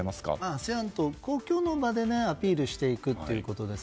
ＡＳＥＡＮと公共の場でアピールしていくということです。